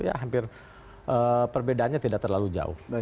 empat puluh ya hampir perbedaannya tidak terlalu jauh